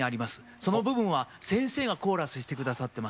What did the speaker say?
その部分は先生がコーラスして下さってます。